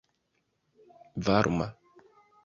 varma